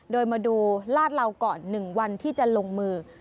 โดยมาดูลาดเหลาก่อน๑วันที่จะลงมือ